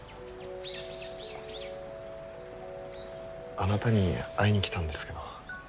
あなたに会いに来たんですけど。